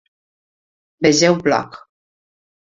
Vegeu bloc.